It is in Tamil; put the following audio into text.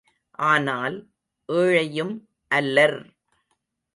ஆனால், ஏழையும் அல்லர்!